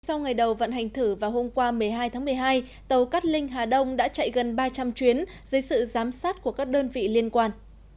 sau ngày đầu vận hành thử vào hôm qua một mươi hai tháng một mươi hai tàu cát linh hà đông đã chạy gần ba trăm linh chuyến dưới sự giám sát của các đơn vị liên quan